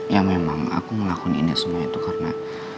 ya memang aku ngelakuin ini semua itu karena